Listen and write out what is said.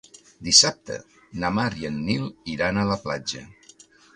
Dissabte na Mar i en Nil iran a la platja.